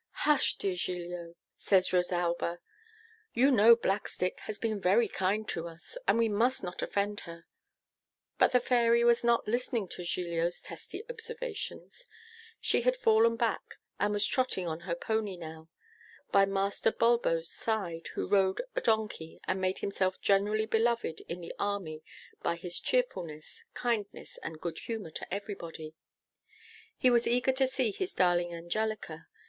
'Hush! dear Giglio,' says Rosalba. 'You know Blackstick has been very kind to us, and we must not offend her.' But the Fairy was not listening to Giglio's testy observations, she had fallen back, and was trotting on her pony now, by Master Bulbo's side, who rode a donkey, and made himself generally beloved in the army by his cheerfulness, kindness, and good humour to everybody. He was eager to see his darling Angelica.